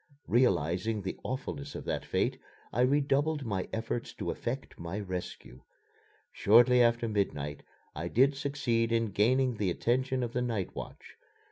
Realizing the awfulness of that fate, I redoubled my efforts to effect my rescue. Shortly after midnight I did succeed in gaining the attention of the night watch.